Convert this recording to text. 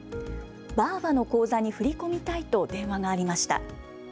ばぁばの口座に振り込みたいと電話がありました。